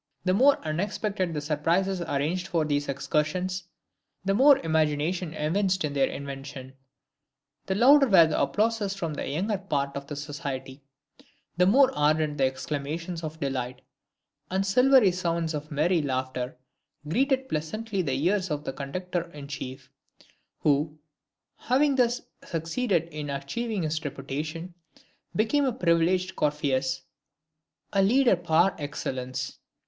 The more unexpected the surprises arranged for these excursions, the more imagination evinced in their invention, the louder were the applauses from the younger part of the society, the more ardent the exclamations of delight; and silvery sounds of merry laughter greeted pleasantly the ears of the conductor in chief, who, having thus succeeded in achieving his reputation, became a privileged Corypheus, a leader par excellence.